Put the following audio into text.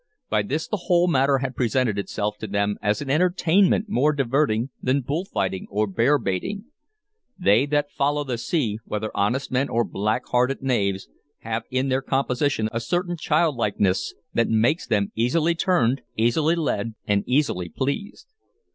By this the whole matter had presented itself to them as an entertainment more diverting than bullfight or bearbaiting. They that follow the sea, whether honest men or black hearted knaves, have in their composition a certain childlikeness that makes them easily turned, easily led, and easily pleased.